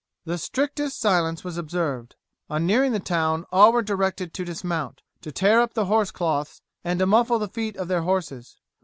The strictest silence was observed. On nearing the town all were directed to dismount, to tear up the horse cloths, and to muffle the feet of their horses.